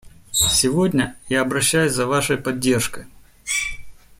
Сегодня я обращаюсь за вашей поддержкой.